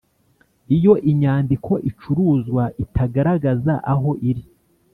Iyo inyandiko icuruzwa itagaragaza aho iri